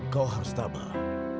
kau harus tamah